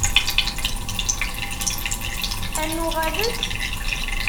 Ad nuɣalet!